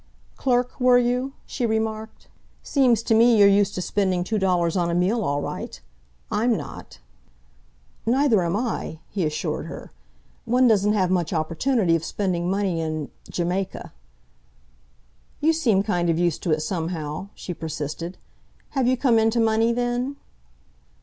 "Clerk, were you?" she remarked. "Seems to me you're used to spending two dollars on a meal all right. I'm not!" "Neither am I," he assured her. "One doesn't have much opportunity of spending money in Jamaica." "You seem kind of used to it, somehow," she persisted. "Have you come into money, then?"